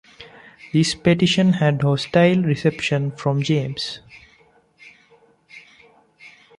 This petition had a hostile reception from James.